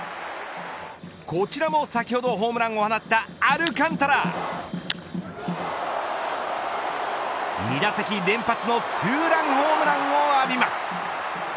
こちらも先ほどホームランを放ったアルカンタラ２打席連発のツーランホームランを浴びます。